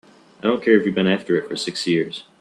I don't care if you've been after it for six years!